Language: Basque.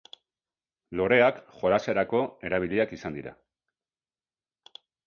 Loreak jolaserako erabiliak izan dira.